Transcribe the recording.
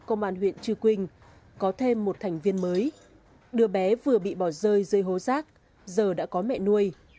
hoàn huyện trư quynh có thêm một thành viên mới đứa bé vừa bị bỏ rơi dưới hố rác giờ đã có mẹ nuôi